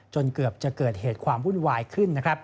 เกือบจะเกิดเหตุความวุ่นวายขึ้นนะครับ